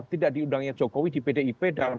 tidak diundangnya jokowi di pdip dalam